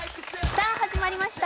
さあ始まりました。